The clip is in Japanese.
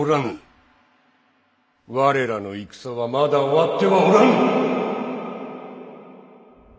我らの戦はまだ終わってはおらぬ！